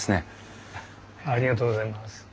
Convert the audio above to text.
ありがとうございます。